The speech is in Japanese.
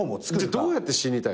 どうやって死にたい？